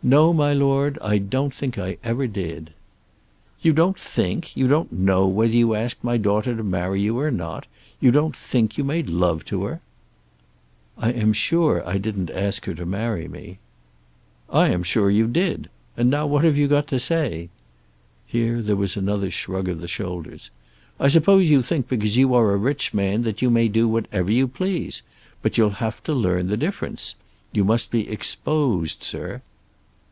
"No, my Lord; I don't think I ever did." "You don't think! You don't know whether you asked my daughter to marry you or not! You don't think you made love to her!" "I am sure I didn't ask her to marry me." "I am sure you did. And now what have you got to say?" Here there was another shrug of the shoulders. "I suppose you think because you are a rich man that you may do whatever you please. But you'll have to learn the difference. You must be exposed, Sir."